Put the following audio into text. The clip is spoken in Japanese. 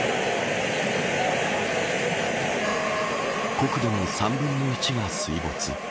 国土の３分の１が水没。